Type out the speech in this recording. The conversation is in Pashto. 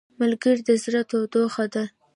ملګری د زړه تودوخه ده